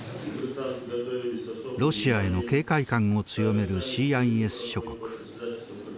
ロシアへの警戒感を強めるＣＩＳ諸国。